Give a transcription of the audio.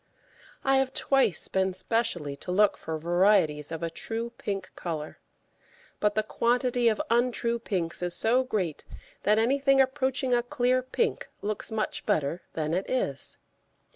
I have twice been specially to look for varieties of a true pink colour, but the quantity of untrue pinks is so great that anything approaching a clear pink looks much better than it is.